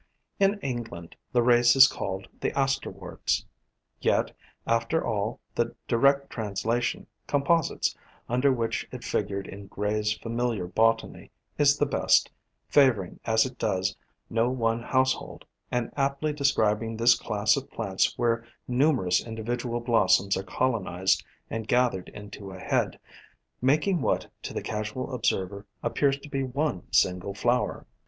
In England the race is called the Asterworts; yet, after all, the direct translation, Composites, under which it figured in Gray's familiar botany, is the best, favoring, as it does, no one household, and aptly describing this class of plants where numerous in dividual blossoms are colonized and gathered into a head, making what, to the casual observer, appears to be one single flower.